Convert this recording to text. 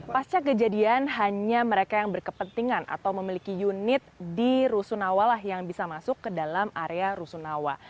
pasca kejadian hanya mereka yang berkepentingan atau memiliki unit di rusunawa lah yang bisa masuk ke dalam area rusunawa